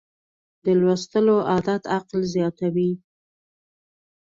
د لوستلو عادت عقل زیاتوي.